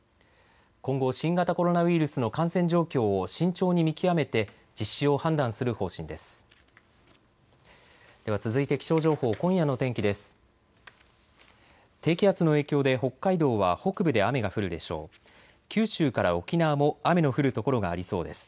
今後、新型コロナウイルスの感染状況を慎重に見極めて実施を判断する方針です。